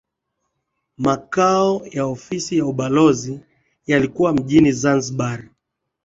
Makao ya ofisi za ubalozi yalikuwa Mjini Zanzibar